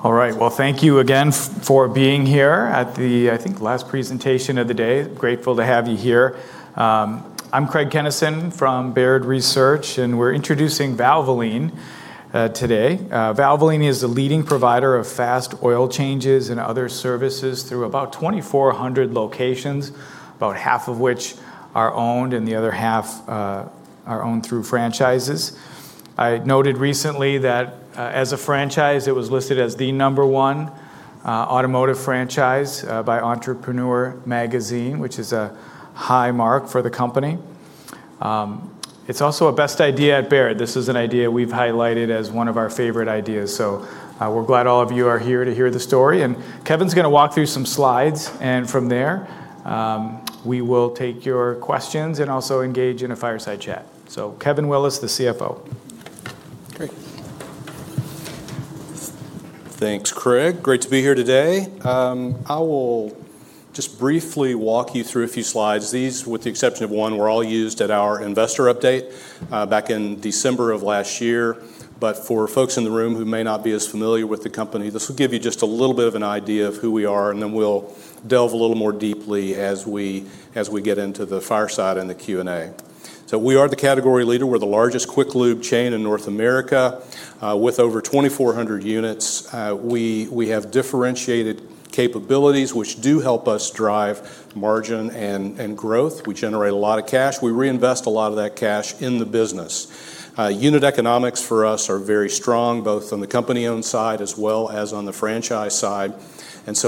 All right. Well, thank you again for being here at the, I think, last presentation of the day. Grateful to have you here. I'm Craig Kennison from Baird Research, and we're introducing Valvoline today. Valvoline is the leading provider of fast oil changes and other services through about 2,400 locations, about half of which are owned and the other half are owned through franchises. I noted recently that as a franchise, it was listed as the number one automotive franchise by Entrepreneur Magazine, which is a high mark for the company. It's also a Best Idea at Baird. This is an idea we've highlighted as one of our favorite ideas, we're glad all of you are here to hear the story. Kevin's going to walk through some slides, and from there, we will take your questions and also engage in a fireside chat. Kevin Willis, the CFO. Great. Thanks, Craig. Great to be here today. I will just briefly walk you through a few slides. These, with the exception of one, were all used at our investor update back in December of last year. For folks in the room who may not be as familiar with the company, this will give you just a little bit of an idea of who we are, and then we'll delve a little more deeply as we get into the fireside and the Q&A. We are the category leader. We're the largest quick lube chain in North America with over 2,400 units. We have differentiated capabilities which do help us drive margin and growth. We generate a lot of cash. We reinvest a lot of that cash in the business. Unit economics for us are very strong, both on the company-owned side as well as on the franchise side,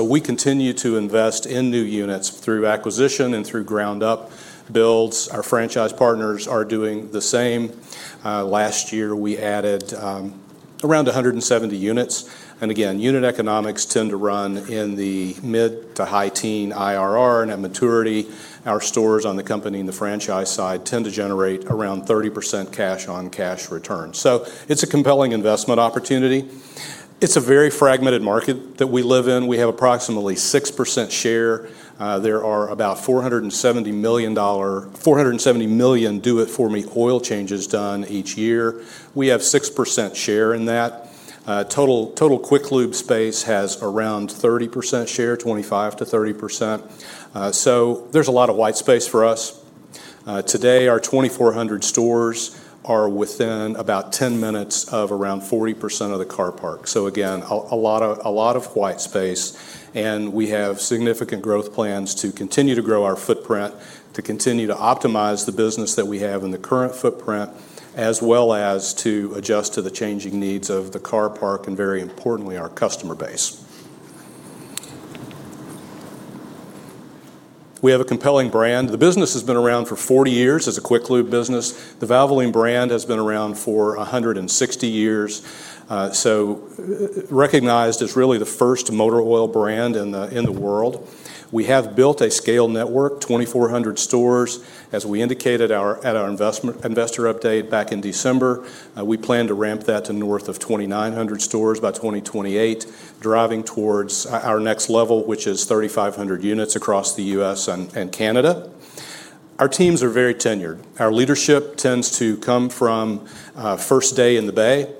we continue to invest in new units through acquisition and through ground-up builds. Our franchise partners are doing the same. Last year, we added around 170 units. Again, unit economics tend to run in the mid to high teen IRR. At maturity, our stores on the company and the franchise side tend to generate around 30% cash-on-cash return. It's a compelling investment opportunity. It's a very fragmented market that we live in. We have approximately 6% share. There are about 470 million do-it-for-me oil changes done each year. We have 6% share in that. Total quick lube space has around 30% share, 25%-30%, there's a lot of white space for us. Today, our 2,400 stores are within about 10 minutes of around 40% of the car parc. Again, a lot of white space. We have significant growth plans to continue to grow our footprint, to continue to optimize the business that we have in the current footprint, as well as to adjust to the changing needs of the car parc and very importantly, our customer base. We have a compelling brand. The business has been around for 40 years as a quick lube business. The Valvoline brand has been around for 160 years. Recognized as really the first motor oil brand in the world. We have built a scale network, 2,400 stores. As we indicated at our investor update back in December, we plan to ramp that to north of 2,900 stores by 2028, driving towards our next level, which is 3,500 units across the U.S. and Canada. Our teams are very tenured. Our leadership tends to come from first day in the bay,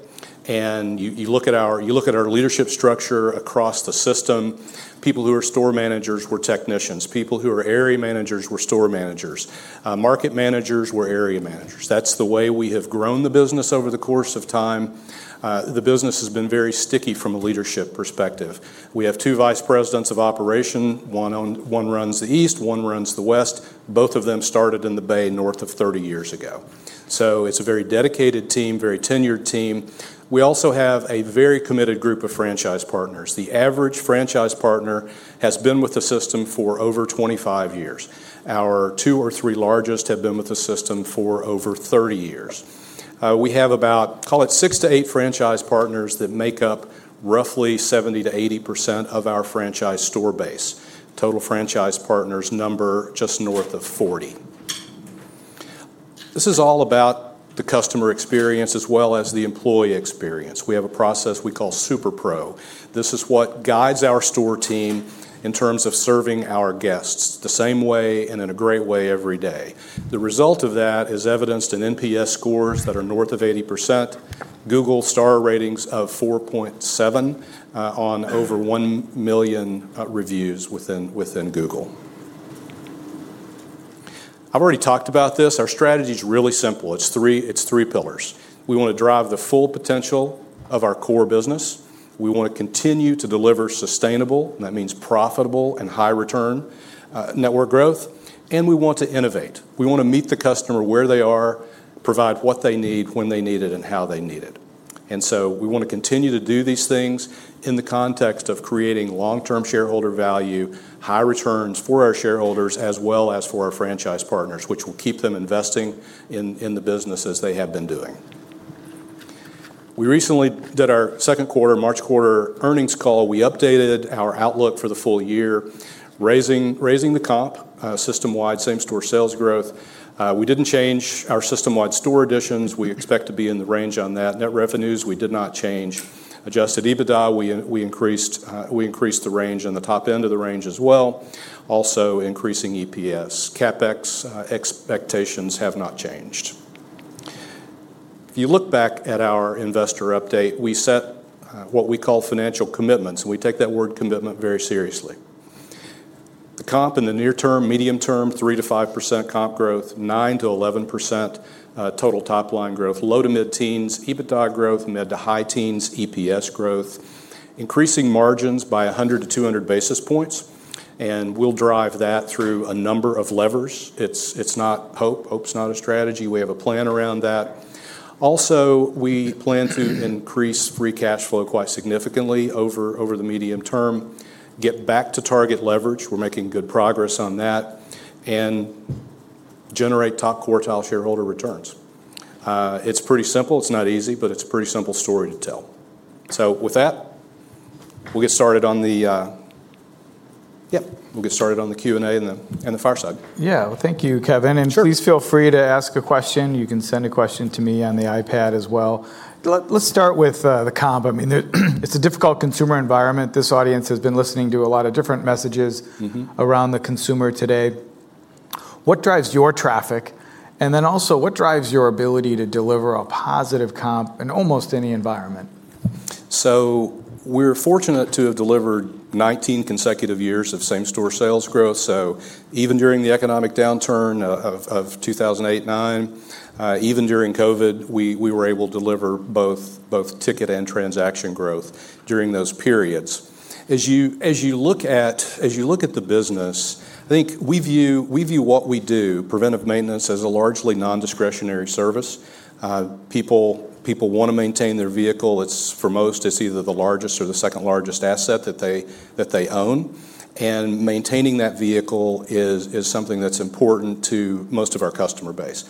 and you look at our leadership structure across the system. People who are store managers were technicians. People who are area managers were store managers. Market managers were area managers. That's the way we have grown the business over the course of time. The business has been very sticky from a leadership perspective. We have two vice presidents of operation. One runs the East, one runs the West. Both of them started in the bay north of 30 years ago. It's a very dedicated team, very tenured team. We also have a very committed group of franchise partners. The average franchise partner has been with the system for over 25 years. Our two or three largest have been with the system for over 30 years. We have about, call it six to eight franchise partners that make up roughly 70%-80% of our franchise store base. Total franchise partners number just north of 40. This is all about the customer experience as well as the employee experience. We have a process we call Super-Pro. This is what guides our store team in terms of serving our guests the same way and in a great way every day. The result of that is evidenced in NPS scores that are north of 80%, Google star ratings of 4.7 on over 1 million reviews within Google. I've already talked about this. Our strategy's really simple. It's three pillars. We want to drive the full potential of our core business. We want to continue to deliver sustainable, and that means profitable and high return, network growth. We want to innovate. We want to meet the customer where they are, provide what they need, when they need it, and how they need it. We want to continue to do these things in the context of creating long-term shareholder value, high returns for our shareholders, as well as for our franchise partners, which will keep them investing in the business as they have been doing. We recently did our second quarter, March quarter earnings call. We updated our outlook for the full year, raising the comp system-wide, same store sales growth. We didn't change our system-wide store additions. We expect to be in the range on that. Net revenues, we did not change. Adjusted EBITDA, we increased the range on the top end of the range as well. Increasing EPS. CapEx expectations have not changed. If you look back at our investor update, we set what we call financial commitments, we take that word commitment very seriously. The comp in the near term, medium term, 3%-5% comp growth, 9%-11% total top-line growth, low to mid-teens EBITDA growth, mid to high teens EPS growth, increasing margins by 100 basis points-200 basis points, we'll drive that through a number of levers. It's not hope. Hope's not a strategy. We have a plan around that. Also, we plan to increase free cash flow quite significantly over the medium term, get back to target leverage, we're making good progress on that, generate top quartile shareholder returns. It's pretty simple. It's not easy, it's a pretty simple story to tell. With that, we'll get started on the Q&A and the fireside. Yeah. Well, thank you, Kevin. Sure. Please feel free to ask a question. You can send a question to me on the iPad as well. Let's start with the comp. It's a difficult consumer environment. This audience has been listening to a lot of different messages around the consumer today. What drives your traffic, and then also what drives your ability to deliver a positive comp in almost any environment? We're fortunate to have delivered 19 consecutive years of same-store sales growth. Even during the economic downturn of 2008 and 2009, even during COVID, we were able to deliver both ticket and transaction growth during those periods. As you look at the business, I think we view what we do, preventive maintenance, as a largely non-discretionary service. People want to maintain their vehicle. For most, it's either the largest or the second-largest asset that they own. Maintaining that vehicle is something that's important to most of our customer base.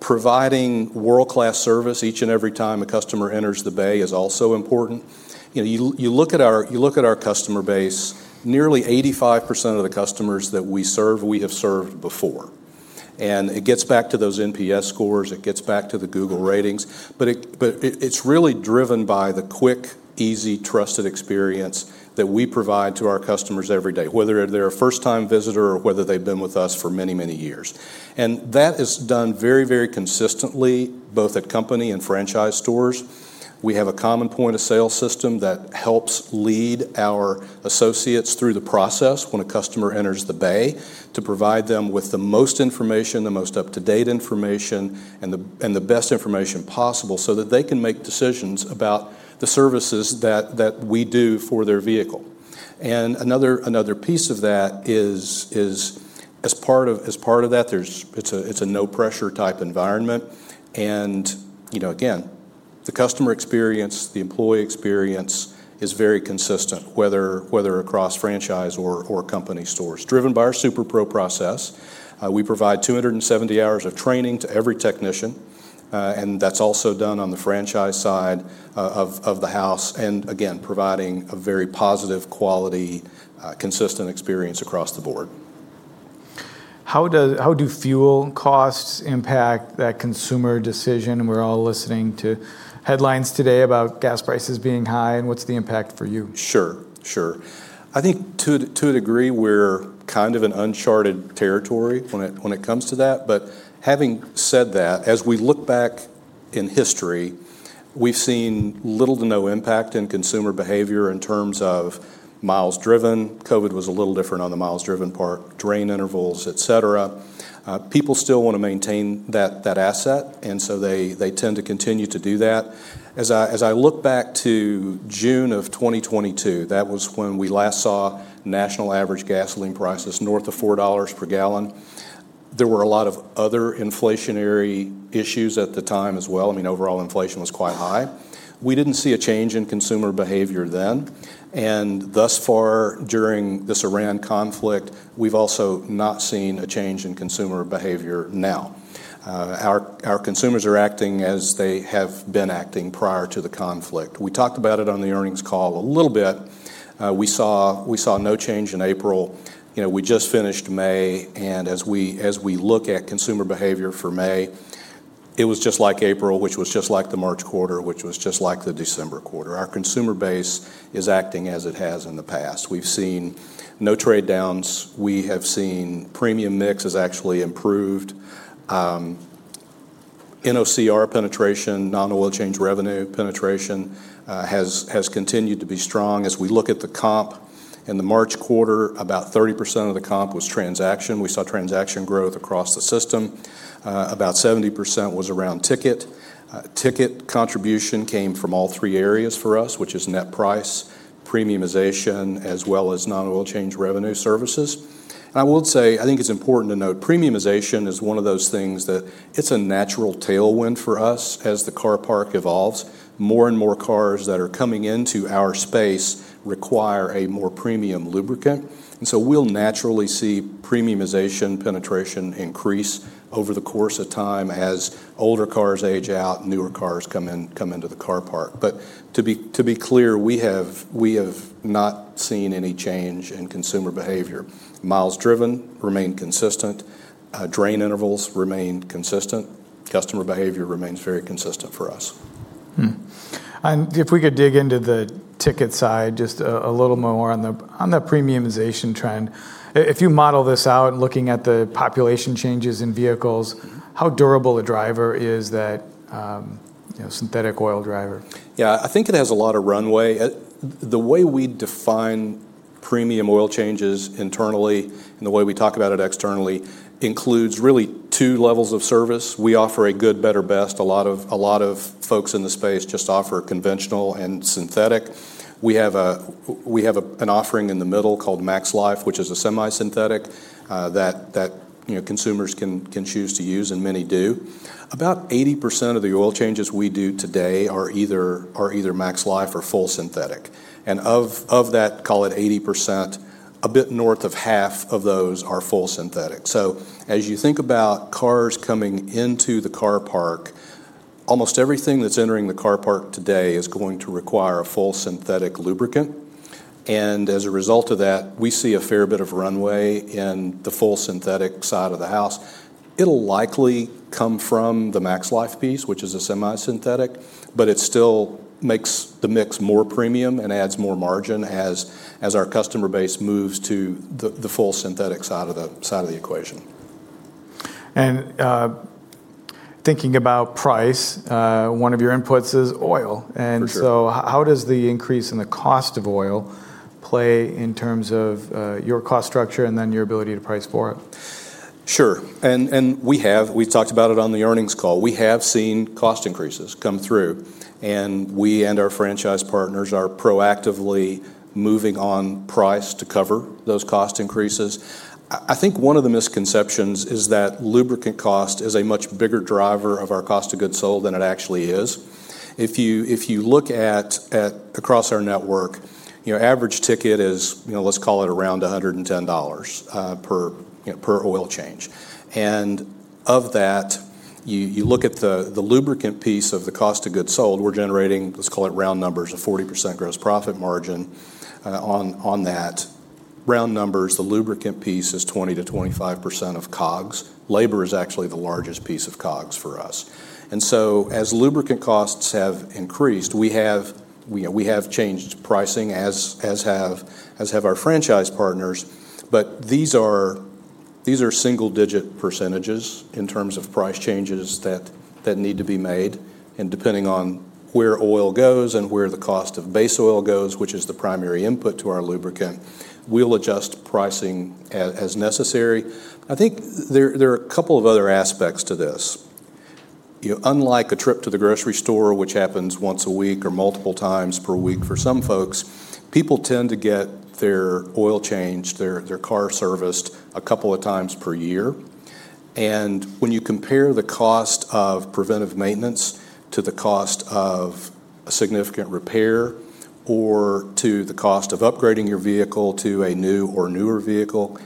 Providing world-class service each and every time a customer enters the bay is also important. You look at our customer base, nearly 85% of the customers that we serve, we have served before. It gets back to those NPS scores, it gets back to the Google ratings, but it's really driven by the quick, easy, trusted experience that we provide to our customers every day, whether they're a first-time visitor or whether they've been with us for many, many years. That is done very, very consistently, both at company and franchise stores. We have a common point-of-sale system that helps lead our associates through the process when a customer enters the bay to provide them with the most information, the most up-to-date information, and the best information possible so that they can make decisions about the services that we do for their vehicle. Another piece of that is, as part of that, it's a no-pressure type environment, and again, the customer experience, the employee experience is very consistent, whether across franchise or company stores. Driven by our Super-Pro process, we provide 270 hours of training to every technician, and that's also done on the franchise side of the house, and again, providing a very positive quality, consistent experience across the board. How do fuel costs impact that consumer decision? We're all listening to headlines today about gas prices being high, and what's the impact for you? Sure. I think to a degree, we're kind of in uncharted territory when it comes to that. Having said that, as we look back in history, we've seen little to no impact in consumer behavior in terms of miles driven. COVID was a little different on the miles driven part, drain intervals, et cetera. People still want to maintain that asset, and so they tend to continue to do that. As I look back to June of 2022, that was when we last saw national average gasoline prices north of $4 per gallon. There were a lot of other inflationary issues at the time as well. Overall inflation was quite high. We didn't see a change in consumer behavior then, and thus far during this Iran conflict, we've also not seen a change in consumer behavior now. Our consumers are acting as they have been acting prior to the conflict. We talked about it on the earnings call a little bit. We saw no change in April. We just finished May, and as we look at consumer behavior for May, it was just like April, which was just like the March quarter, which was just like the December quarter. Our consumer base is acting as it has in the past. We've seen no trade downs. We have seen premium mix has actually improved. NOCR penetration, non-oil change revenue penetration has continued to be strong. As we look at the comp in the March quarter, about 30% of the comp was transaction. We saw transaction growth across the system. About 70% was around ticket. Ticket contribution came from all three areas for us, which is net price, premiumization, as well as non-oil change revenue services. I would say, I think it's important to note, premiumization is one of those things that it's a natural tailwind for us as the car parc evolves. More and more cars that are coming into our space require a more premium lubricant, we'll naturally see premiumization penetration increase over the course of time as older cars age out, newer cars come into the car parc. To be clear, we have not seen any change in consumer behavior. Miles driven remain consistent. Drain intervals remain consistent. Customer behavior remains very consistent for us. If we could dig into the ticket side just a little more on the premiumization trend. If you model this out, looking at the population changes in vehicles, how durable a driver is that synthetic oil driver? Yeah. I think it has a lot of runway. The way we define premium oil changes internally, and the way we talk about it externally, includes really two levels of service. We offer a good, better, best. A lot of folks in the space just offer conventional and synthetic. We have an offering in the middle called MaxLife, which is a semi-synthetic that consumers can choose to use, and many do. About 80% of the oil changes we do today are either MaxLife or full synthetic. Of that, call it 80%, a bit north of half of those are full synthetic. As you think about cars coming into the car parc, almost everything that's entering the car park today is going to require a full synthetic lubricant. As a result of that, we see a fair bit of runway in the full synthetic side of the house. It'll likely come from the MaxLife piece, which is a semi-synthetic, but it still makes the mix more premium and adds more margin as our customer base moves to the full synthetic side of the equation. Thinking about price, one of your inputs is oil. For sure. How does the increase in the cost of oil play in terms of your cost structure and then your ability to price for it? Sure. We have, we talked about it on the earnings call, we have seen cost increases come through, and we and our franchise partners are proactively moving on price to cover those cost increases. I think one of the misconceptions is that lubricant cost is a much bigger driver of our cost of goods sold than it actually is. If you look at across our network, average ticket is, let's call it around $110 per oil change. Of that, you look at the lubricant piece of the cost of goods sold, we're generating, let's call it round numbers, a 40% gross profit margin on that. Round numbers, the lubricant piece is 20%-25% of COGS. Labor is actually the largest piece of COGS for us. As lubricant costs have increased, we have changed pricing, as have our franchise partners. These are single-digit percentages in terms of price changes that need to be made. Depending on where oil goes and where the cost of base oil goes, which is the primary input to our lubricant, we'll adjust pricing as necessary. I think there are a couple of other aspects to this. Unlike a trip to the grocery store, which happens once a week or multiple times per week for some folks, people tend to get their oil changed, their car serviced a couple of times per year. When you compare the cost of preventive maintenance to the cost of a significant repair, or to the cost of upgrading your vehicle to a new or newer vehicle,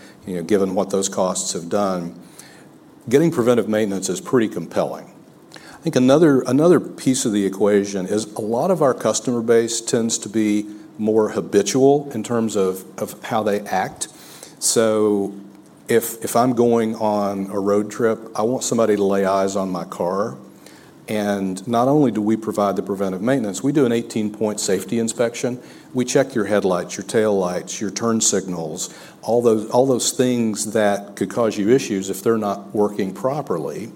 given what those costs have done, getting preventive maintenance is pretty compelling. I think another piece of the equation is a lot of our customer base tends to be more habitual in terms of how they act. If I'm going on a road trip, I want somebody to lay eyes on my car. Not only do we provide the preventive maintenance, we do an 18-point safety inspection. We check your headlights, your taillights, your turn signals, all those things that could cause you issues if they're not working properly.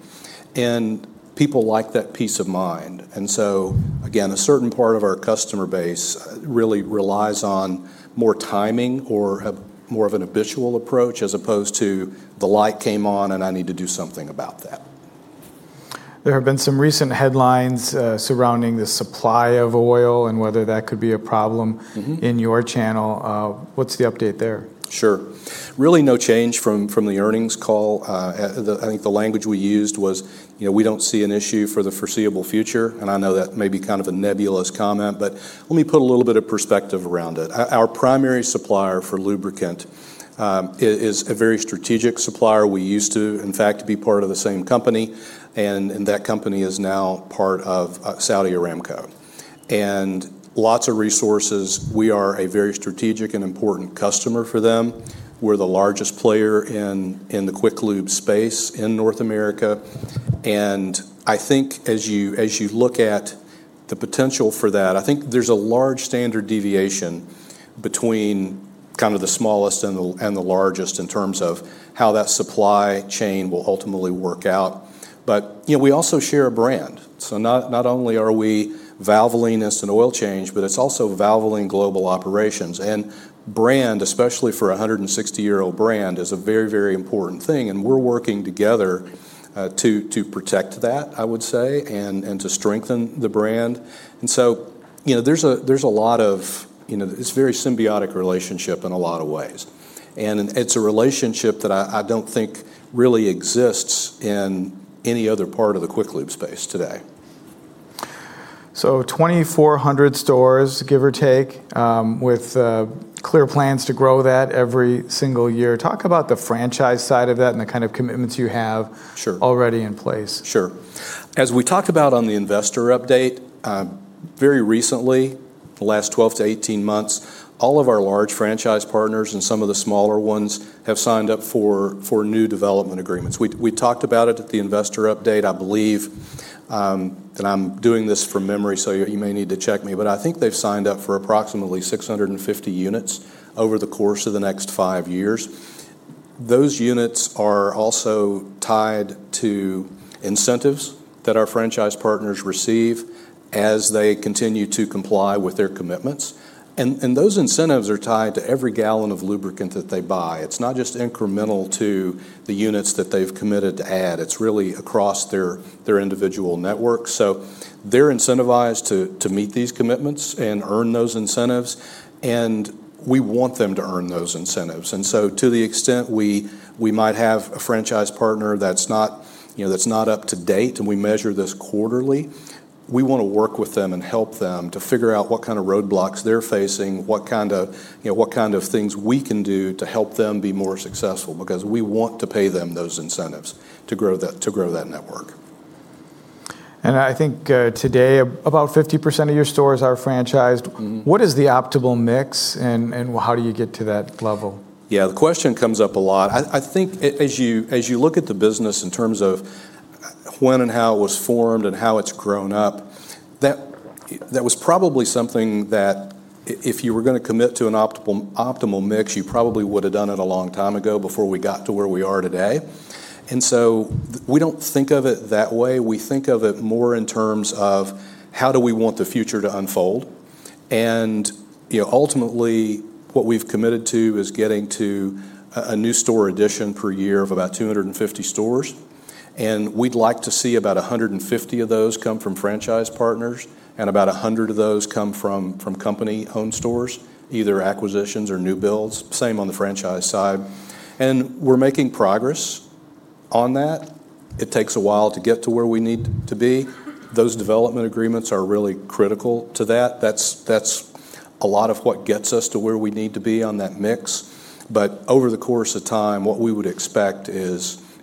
People like that peace of mind. Again, a certain part of our customer base really relies on more timing or more of an habitual approach, as opposed to the light came on and I need to do something about that. There have been some recent headlines surrounding the supply of oil and whether that could be a problem in your channel. What's the update there? Sure. Really no change from the earnings call. I think the language we used was, we don't see an issue for the foreseeable future. I know that may be kind of a nebulous comment, but let me put a little bit of perspective around it. Our primary supplier for lubricant is a very strategic supplier. We used to, in fact, be part of the same company. That company is now part of Saudi Aramco. Lots of resources. We are a very strategic and important customer for them. We're the largest player in the quick lube space in North America. I think as you look at the potential for that, I think there's a large standard deviation between kind of the smallest and the largest in terms of how that supply chain will ultimately work out. We also share a brand. Not only are we Valvoline Instant Oil Change, but it's also Valvoline Global Operations. Brand, especially for 160-year-old brand, is a very important thing, and we're working together to protect that, I would say, and to strengthen the brand. It's very symbiotic relationship in a lot of ways. It's a relationship that I don't think really exists in any other part of the quick lube space today. 2,400 stores, give or take, with clear plans to grow that every single year. Talk about the franchise side of that and the kind of commitments you have. Sure already in place. Sure. As we talked about on the investor update very recently, the last 12 months-18 months, all of our large franchise partners and some of the smaller ones have signed up for new development agreements. We talked about it at the investor update, I believe, and I'm doing this from memory, so you may need to check me, but I think they've signed up for approximately 650 units over the course of the next five years. Those units are also tied to incentives that our franchise partners receive as they continue to comply with their commitments. Those incentives are tied to every gallon of lubricant that they buy. It's not just incremental to the units that they've committed to add. It's really across their individual network. They're incentivized to meet these commitments and earn those incentives, and we want them to earn those incentives. To the extent we might have a franchise partner that's not up to date, and we measure this quarterly, we want to work with them and help them to figure out what kind of roadblocks they're facing, what kind of things we can do to help them be more successful, because we want to pay them those incentives to grow that network. I think today, about 50% of your stores are franchised. What is the optimal mix and how do you get to that level? The question comes up a lot. I think as you look at the business in terms of when and how it was formed and how it's grown up, that was probably something that if you were going to commit to an optimal mix, you probably would have done it a long time ago before we got to where we are today. We don't think of it that way. We think of it more in terms of how do we want the future to unfold. Ultimately, what we've committed to is getting to a new store addition per year of about 250 stores, and we'd like to see about 150 of those come from franchise partners and about 100 of those come from company-owned stores, either acquisitions or new builds. Same on the franchise side. We're making progress on that. It takes a while to get to where we need to be. Those development agreements are really critical to that. That's a lot of what gets us to where we need to be on that mix. Over the course of time, what we would expect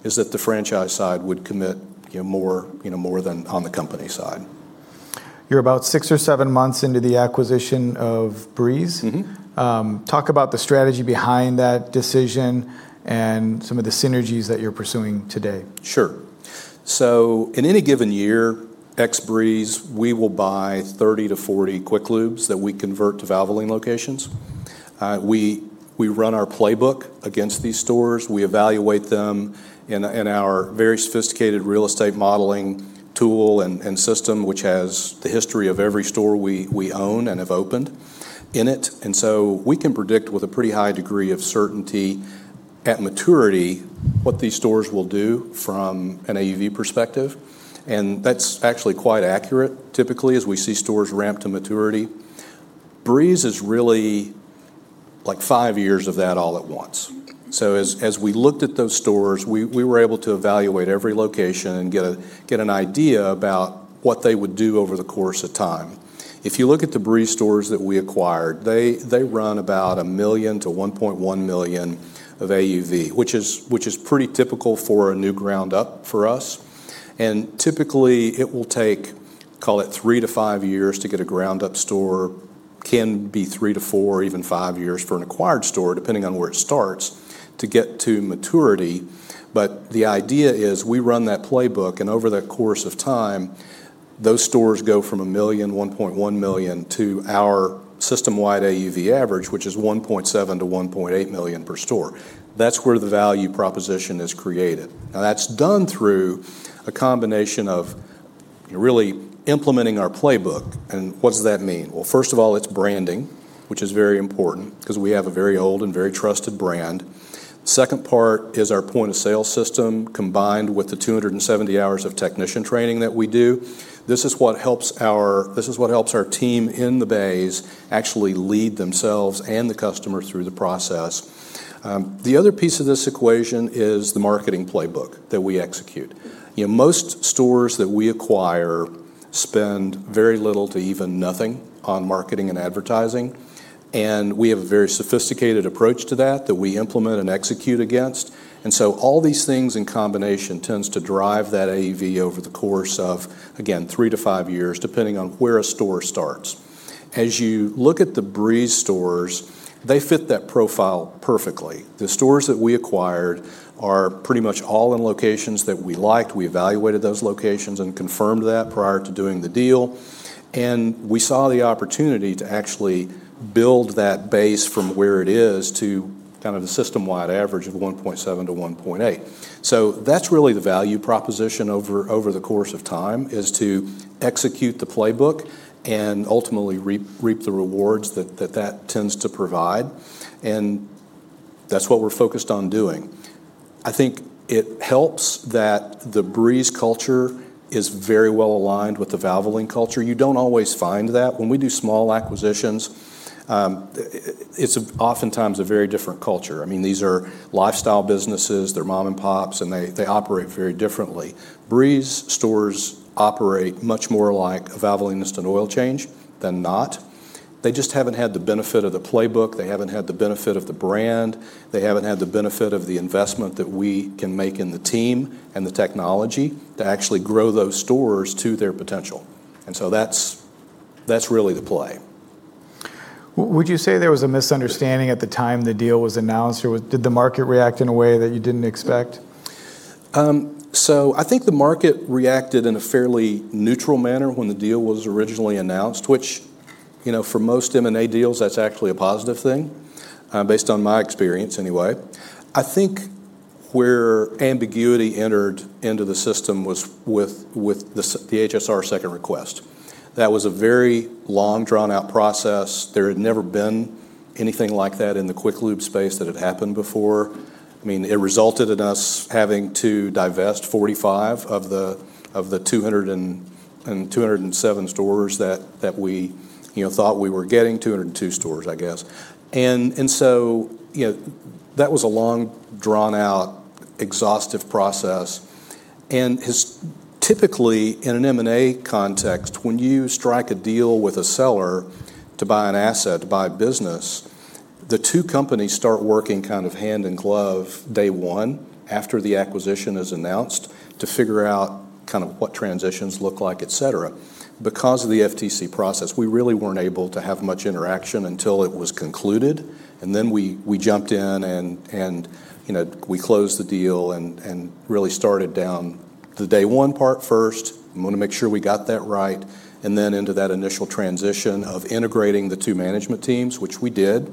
is that the franchise side would commit more than on the company side. You're about six or seven months into the acquisition of Breeze. Talk about the strategy behind that decision and some of the synergies that you're pursuing today. Sure. In any given year, ex-Breeze, we will buy 30 quick lubes-40 quick lubes that we convert to Valvoline locations. We run our playbook against these stores. We evaluate them in our very sophisticated real estate modeling tool and system, which has the history of every store we own and have opened in it. We can predict with a pretty high degree of certainty, at maturity, what these stores will do from an AUV perspective, and that's actually quite accurate, typically, as we see stores ramp to maturity. Breeze is really five years of that all at once. As we looked at those stores, we were able to evaluate every location and get an idea about what they would do over the course of time. If you look at the Breeze stores that we acquired, they run about $1 million-$1.1 million of AUV, which is pretty typical for a new ground-up for us. Typically, it will take, call it three to five years to get a ground-up store, can be three to four, even five years for an acquired store, depending on where it starts, to get to maturity. The idea is we run that playbook, and over the course of time, those stores go from $1 million, $1.1 million, to our system-wide AUV average, which is $1.7 million-$1.8 million per store. That's where the value proposition is created. Now, that's done through a combination of really implementing our playbook. What does that mean? Well, first of all, it's branding, which is very important because we have a very old and very trusted brand. Second part is our point-of-sale system, combined with the 270 hours of technician training that we do. This is what helps our team in the bays actually lead themselves and the customer through the process. The other piece of this equation is the marketing playbook that we execute. Most stores that we acquire spend very little to even nothing on marketing and advertising, and we have a very sophisticated approach to that that we implement and execute against. All these things in combination tends to drive that AUV over the course of, again, three to five years, depending on where a store starts. As you look at the Breeze stores, they fit that profile perfectly. The stores that we acquired are pretty much all in locations that we liked. We evaluated those locations and confirmed that prior to doing the deal. We saw the opportunity to actually build that base from where it is to the system-wide average of 1.7 million-1.8 million. That's really the value proposition over the course of time, is to execute the playbook and ultimately reap the rewards that that tends to provide. That's what we're focused on doing. I think it helps that the Breeze culture is very well aligned with the Valvoline culture. You don't always find that. When we do small acquisitions, it's oftentimes a very different culture. These are lifestyle businesses. They're mom and pops, and they operate very differently. Breeze stores operate much more like a Valvoline Instant Oil Change than not. They just haven't had the benefit of the playbook, they haven't had the benefit of the brand, they haven't had the benefit of the investment that we can make in the team and the technology to actually grow those stores to their potential. That's really the play. Would you say there was a misunderstanding at the time the deal was announced? Did the market react in a way that you didn't expect? I think the market reacted in a fairly neutral manner when the deal was originally announced, which for most M&A deals, that's actually a positive thing, based on my experience anyway. I think where ambiguity entered into the system was with the HSR second request. That was a very long, drawn-out process. There had never been anything like that in the quick lube space that had happened before. It resulted in us having to divest 45 of the 207 stores that we thought we were getting, 202 stores, I guess. That was a long, drawn-out, exhaustive process and typically in an M&A context, when you strike a deal with a seller to buy an asset, to buy a business, the two companies start working hand in glove day one after the acquisition is announced to figure out what transitions look like, et cetera. Because of the FTC process, we really weren't able to have much interaction until it was concluded, and then we jumped in and we closed the deal and really started down the day one part first, we want to make sure we got that right, and then into that initial transition of integrating the two management teams, which we did.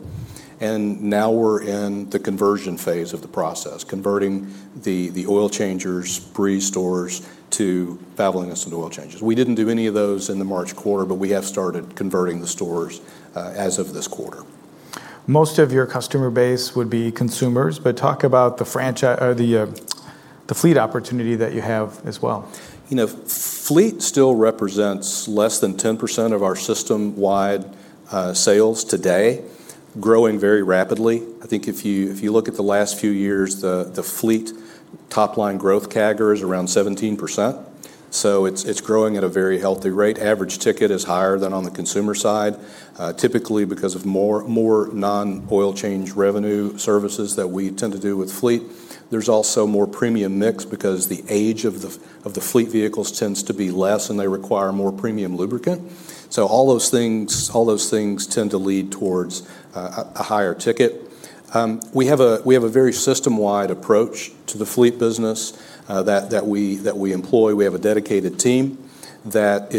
Now we're in the conversion phase of the process, converting the Oil Changers Breeze stores to Valvoline Instant Oil Change. We didn't do any of those in the March quarter, but we have started converting the stores as of this quarter. Most of your customer base would be consumers, but talk about the fleet opportunity that you have as well. Fleet still represents less than 10% of our system-wide sales today, growing very rapidly. I think if you look at the last few years, the fleet top-line growth CAGR is around 17%, so it's growing at a very healthy rate. Average ticket is higher than on the consumer side, typically because of more non-oil change revenue services that we tend to do with fleet. There's also more premium mix because the age of the fleet vehicles tends to be less, and they require more premium lubricant. All those things tend to lead towards a higher ticket. We have a very system-wide approach to the fleet business that we employ. We have a dedicated team that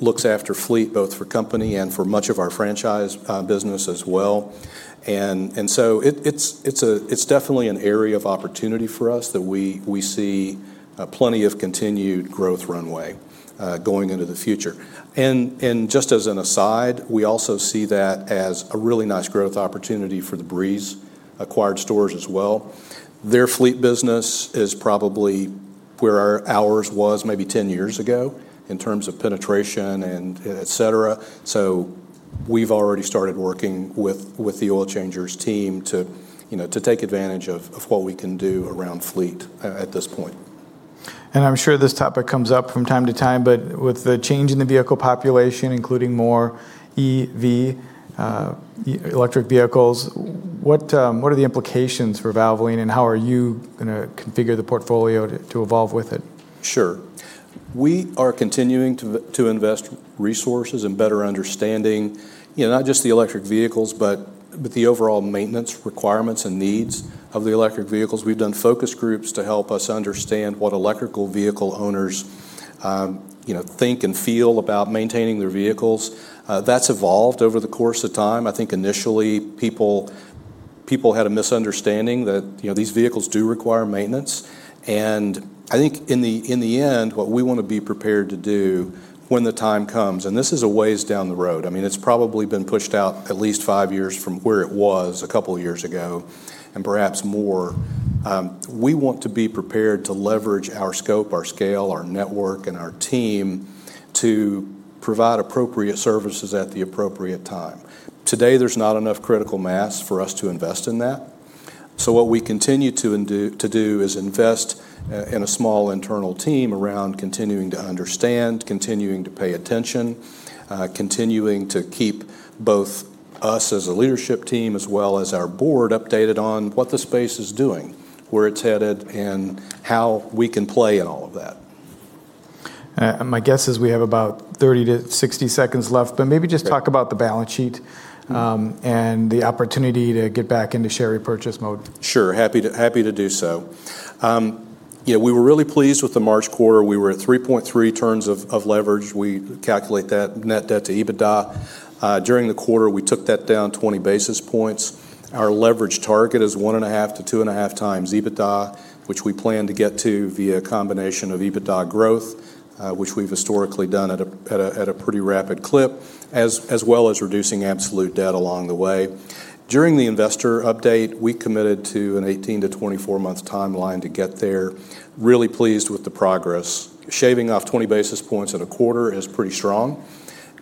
looks after fleet, both for company and for much of our franchise business as well. It's definitely an area of opportunity for us that we see plenty of continued growth runway going into the future. Just as an aside, we also see that as a really nice growth opportunity for the Breeze-acquired stores as well. Their fleet business is probably where ours was maybe 10 years ago in terms of penetration and et cetera. We've already started working with the Oil Changers team to take advantage of what we can do around fleet at this point. I'm sure this topic comes up from time to time, but with the change in the vehicle population, including more EV, electric vehicles, what are the implications for Valvoline, and how are you going to configure the portfolio to evolve with it? Sure. We are continuing to invest resources and better understanding, not just the electric vehicles, but the overall maintenance requirements and needs of the electric vehicles. We've done focus groups to help us understand what electric vehicle owners think and feel about maintaining their vehicles. That's evolved over the course of time. I think initially people had a misunderstanding that these vehicles do require maintenance, and I think in the end, what we want to be prepared to do when the time comes, and this is a ways down the road. It's probably been pushed out at least five years from where it was a couple of years ago, and perhaps more. We want to be prepared to leverage our scope, our scale, our network, and our team to provide appropriate services at the appropriate time. Today, there's not enough critical mass for us to invest in that, so what we continue to do is invest in a small internal team around continuing to understand, continuing to pay attention, continuing to keep both us as a leadership team as well as our board updated on what the space is doing, where it's headed, and how we can play in all of that. My guess is we have about 30 seconds-60 seconds left, but maybe just talk about the balance sheet and the opportunity to get back into share repurchase mode. Sure. Happy to do so. We were really pleased with the March quarter. We were at 3.3 turns of leverage. We calculate that net debt to EBITDA. During the quarter, we took that down 20 basis points. Our leverage target is 1.5x-2.5x EBITDA, which we plan to get to via a combination of EBITDA growth, which we've historically done at a pretty rapid clip, as well as reducing absolute debt along the way. During the investor update, we committed to an 18- to 24-month timeline to get there. Really pleased with the progress. Shaving off 20 basis points at a quarter is pretty strong.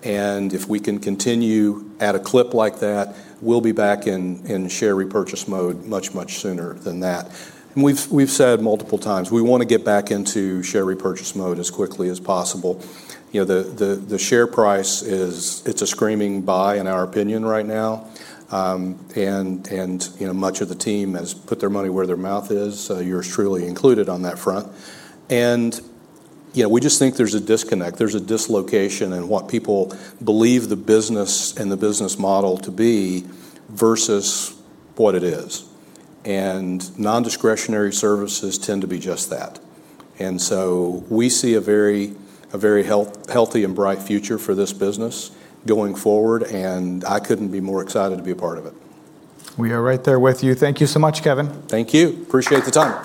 If we can continue at a clip like that, we'll be back in share repurchase mode much, much sooner than that. We've said multiple times, we want to get back into share repurchase mode as quickly as possible. The share price is a screaming buy in our opinion right now, and much of the team has put their money where their mouth is. Yours truly included on that front. We just think there's a disconnect, there's a dislocation in what people believe the business and the business model to be versus what it is. Non-discretionary services tend to be just that. We see a very healthy and bright future for this business going forward, and I couldn't be more excited to be a part of it. We are right there with you. Thank you so much, Kevin. Thank you. Appreciate the time.